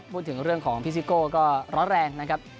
พูดถึงเรื่องของภิกษีโกร้อนแรงนะครับ